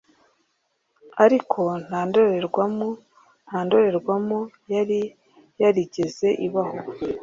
ariko nta ndorerwamo. nta ndorerwamo yari yarigeze ibaho